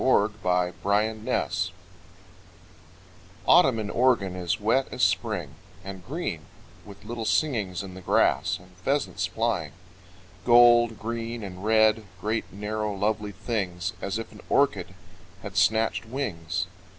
[Mary Carolyn Davies] Autumn in Oregon is wet as Spring, And green, with little singings in the grass, And pheasants flying, Gold, green and red, Great, narrow, lovely things, As if an orchid had snatched wings.